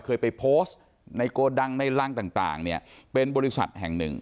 เคยไปโพสต์ในโกดังในรังต่างเนี่ยเป็นบริษัทแห่งหนึ่ง